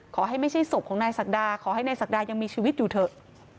ไม่ใช่ศพของนายศักดาขอให้นายศักดายังมีชีวิตอยู่เถอะ